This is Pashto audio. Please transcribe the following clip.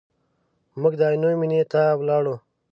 موږ د عینو مینې ته ولاړو.